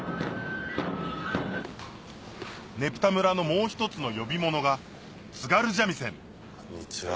ねぷた村のもう一つの呼び物が津軽三味線こんにちは。